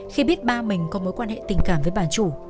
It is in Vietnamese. khi biết ba mình có mối quan hệ tình cảm với bà chủ